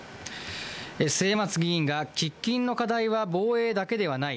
末松議員が、喫緊の課題は防衛だけではない。